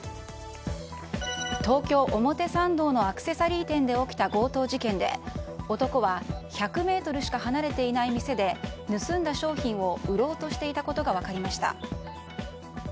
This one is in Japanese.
東京・表参道のアクセサリー店で起きた強盗事件で、男は１００ｍしか離れていない店で盗んだ商品を売ろうとしていたことが分かりました。